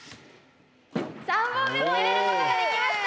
３本目も入れることができました！